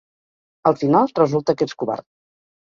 Al final, resulta que ets covard.